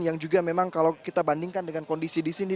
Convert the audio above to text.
yang juga memang kalau kita bandingkan dengan kondisi di sini